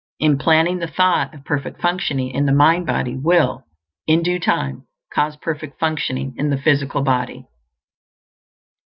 Implanting the thought of perfect functioning in the mind body will, in due time, cause perfect functioning in the physical body.